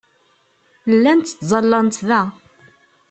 Llant ttẓallant da.